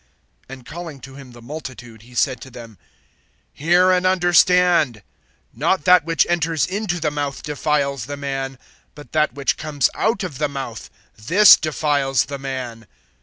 (10)And calling to him the multitude, he said to them: Hear, and understand: (11)Not that which enters into the mouth defiles the man; but that which comes out of the mouth, this defiles the man.